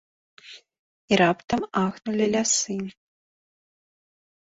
І раптам ахнулі лясы.